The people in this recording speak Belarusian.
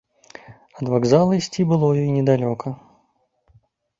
Ад вакзала ісці было ёй недалёка.